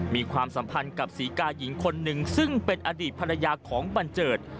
ความสัมพันธ์กับศรีกาหญิงคนหนึ่งซึ่งเป็นอดีตภรรยาของบันเจิด